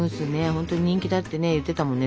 ほんとに人気だって言ってたもんね。